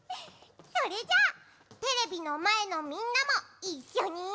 それじゃあテレビのまえのみんなもいっしょに。